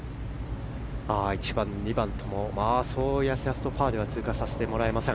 １番、２番とそうやすやすとパーで通過はさせてくれません。